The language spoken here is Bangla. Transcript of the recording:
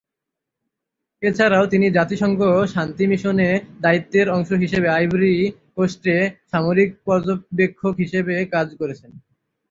এছাড়াও তিনি জাতিসংঘ শান্তি মিশনে দায়িত্বের অংশ হিসেবে আইভরি কোস্টে সামরিক পর্যবেক্ষক হিসেবে কাজ করেছেন।